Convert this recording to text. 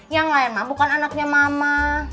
yang lain mampu kan anaknya mama